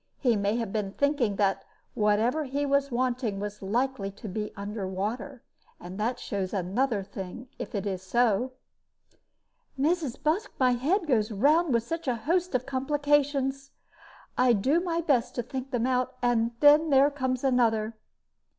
He may have been thinking that whatever he was wanting was likely to be under water. And that shows another thing, if it is so." "Mrs. Busk, my head goes round with such a host of complications. I do my best to think them out and then there comes another!"